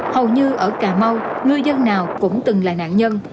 hầu như ở cà mau ngư dân nào cũng từng là nạn nhân